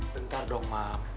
bentar dong mam